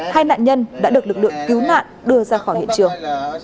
hai nạn nhân đã được lực lượng cứu nạn đưa ra khỏi hiện trường